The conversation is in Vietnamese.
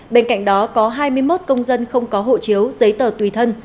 bên cạnh đó có hai mươi một công dân không có hộ chiếu giấy tờ tùy thân